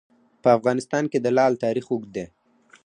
په افغانستان کې د لعل تاریخ اوږد دی.